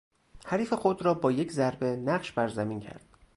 حریف خود را با یک ضربه نقش بر زمین کرد.